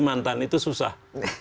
mantan itu susah